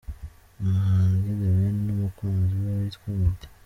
Umuhanzi The Ben n’umukunzi we witwa Midi.